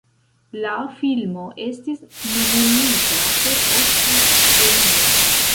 La filmo estis nomumita por Oskar-premio.